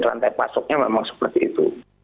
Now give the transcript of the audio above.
rantai pasoknya memang seperti itu